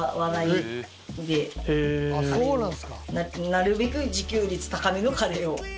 なるべく自給率高めのカレーを。